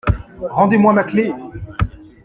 Rendez-moi ma clef !…